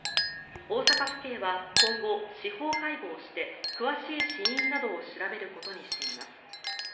大阪府警は今後、司法解剖して詳しい死因などを調べることにしています。